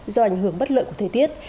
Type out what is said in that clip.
do ảnh hưởng bất lợi của thời tiết